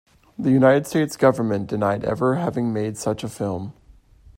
The United States government denied ever having made such a film.